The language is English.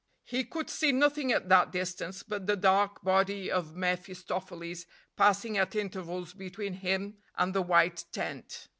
He could see nothing at that distance but the dark body of mephistopheles passing at intervals between him and the white tent.